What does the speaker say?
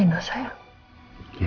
saya tahu saya tahu sayang